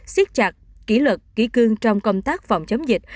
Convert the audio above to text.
siết chặt kỷ luật ký cương trong công tác phòng chống dịch